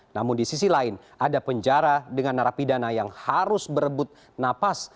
namun di sisi lain ada penjara dengan narapidana yang harus berebut napas